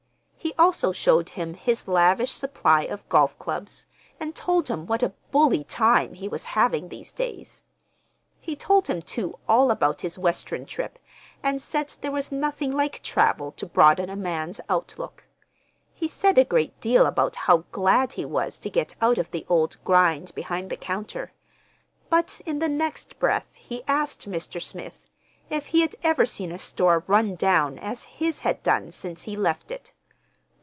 He also showed him his lavish supply of golf clubs, and told him what a "bully time" he was having these days. He told him, too, all about his Western trip, and said there was nothing like travel to broaden a man's outlook. He said a great deal about how glad he was to get out of the old grind behind the counter—but in the next breath he asked Mr. Smith if he had ever seen a store run down as his had done since he left it.